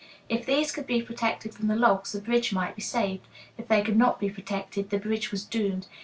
If these could be protected from the logs, the bridge might be saved; if they could not be protected, the bridge was doomed.